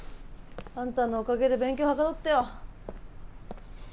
あんたのおかげで勉強はかどったよ。